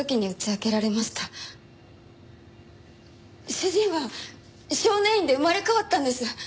主人は少年院で生まれ変わったんです。